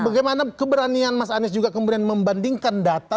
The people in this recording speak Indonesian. bagaimana keberanian mas anies juga kemudian membandingkan data